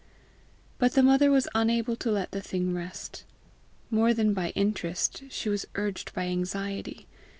But the mother was unable to let the thing rest. More than by interest she was urged by anxiety.